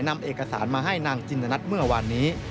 นำเอกสารมาให้นางจินตนัทเมื่อวานนี้